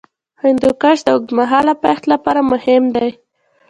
هندوکش د اوږدمهاله پایښت لپاره مهم دی.